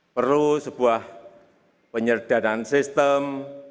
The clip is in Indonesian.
perlu sebuah penyerdanaan sistem